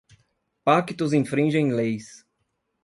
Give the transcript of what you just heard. Pactos infringem leis.